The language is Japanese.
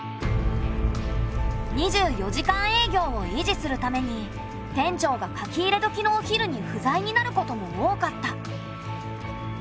２４時間営業を維持するために店長が書き入れ時のお昼に不在になることも多かった。